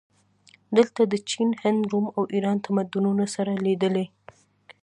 دلته د چین، هند، روم او ایران تمدنونه سره لیدلي